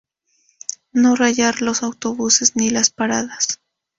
No rayar los autobuses ni las paradas.